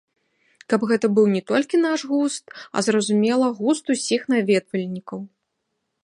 Каб гэта быў не толькі наш густ, а, зразумела, густ усіх наведвальнікаў.